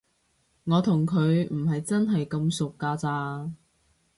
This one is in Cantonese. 我同佢唔係真係咁熟㗎咋